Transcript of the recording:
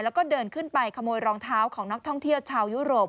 แล้วก็เดินขึ้นไปขโมยรองเท้าของนักท่องเที่ยวชาวยุโรป